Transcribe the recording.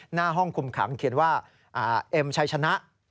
หน้าห้องคุมขังเขียนว่าเอ็มชัยชนะ